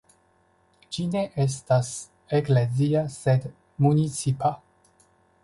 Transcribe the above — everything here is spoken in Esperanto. Ĝi ne estas eklezia sed municipa.